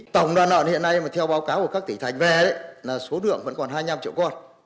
tổng đàn lợn hiện nay mà theo báo cáo của các tỉ thành về là số lượng vẫn còn hai mươi năm triệu con